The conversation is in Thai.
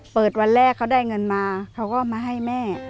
วันแรกเขาได้เงินมาเขาก็มาให้แม่